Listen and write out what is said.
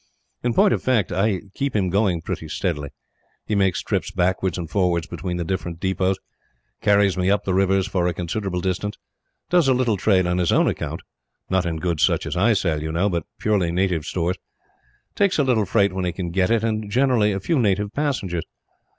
"In point of fact, I keep him going pretty steadily. He makes trips backwards and forwards between the different depots; carries me up the rivers for a considerable distance; does a little trade on his own account not in goods such as I sell, you know, but purely native stores takes a little freight when he can get it, and generally a few native passengers.